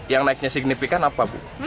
yang naiknya signifikan apa bu